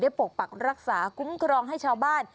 ปกปักรักษาคุ้มครองให้ชาวบ้าน